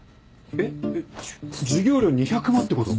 えっ授業料２００万ってこと？